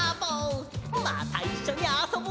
またいっしょにあそぼうぜ！